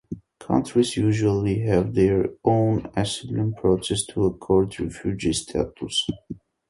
Countries usually have their own asylum processes to accord refugee status.